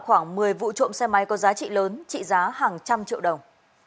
khoảng một mươi vụ trộm xe máy có giá trị lớn trị giá hàng trăm triệu đồng